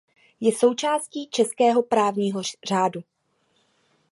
Je součástí českého právního řádu.